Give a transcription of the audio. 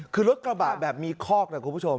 คือรถกระบะแบบมีคอกนะคุณผู้ชม